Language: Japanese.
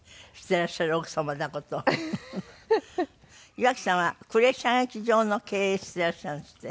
岩城さんはクレー射撃場の経営してらっしゃるんですって？